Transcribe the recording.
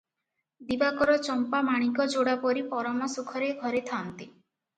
ଦିବାକର ଚମ୍ପା ମାଣିକଯୋଡ଼ା ପରି ପରମ ସୁଖରେ ଘରେ ଥାନ୍ତି ।